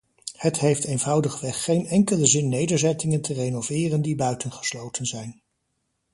Het heeft eenvoudigweg geen enkele zin nederzettingen te renoveren die buitengesloten zijn.